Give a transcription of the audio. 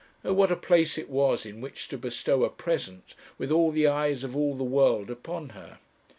Oh! what a place it was in which to bestow a present, with all the eyes of all the world upon her!